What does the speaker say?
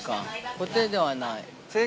コテではない。